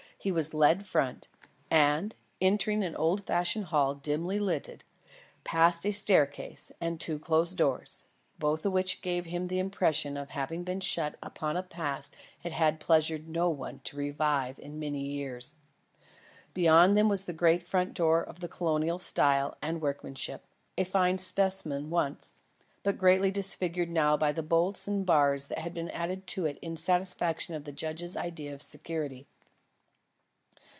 He was led front; and, entering an old fashioned hall dimly lighted, passed a staircase and two closed doors, both of which gave him the impression of having been shut upon a past it had pleasured no one to revive in many years. Beyond them was the great front door of Colonial style and workmanship, a fine specimen once, but greatly disfigured now by the bolts and bars which had been added to it in satisfaction of the judge's ideas of security.